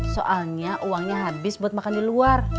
soalnya uangnya habis buat makan di luar